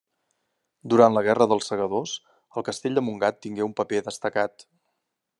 Durant la guerra dels segadors, el castell de Montgat tingué un paper destacat.